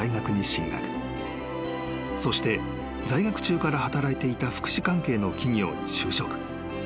［そして在学中から働いていた福祉関係の企業に就職］